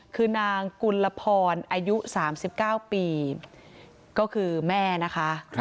คือนางกุลพรอายุ๓๙ปีก็คือแม่นะคะ